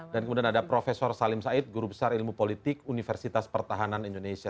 dan kemudian ada prof salim said guru besar ilmu politik universitas pertahanan indonesia